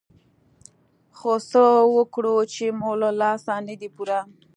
خو څه وکړو څه مو له لاسه نه دي پوره.